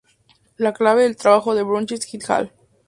La clave del trabajo de Bromwich et al.